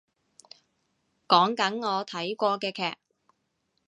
講緊我睇過嘅劇